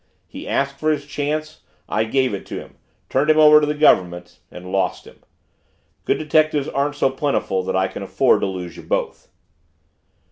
He asked for his chance; I gave it to him turned him over to the Government and lost him. Good detectives aren't so plentiful that I can afford to lose you both."